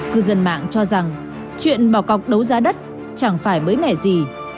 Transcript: cư dân mạng cho rằng chuyện bảo cọc đấu giá đất chẳng phải mới mẻ gì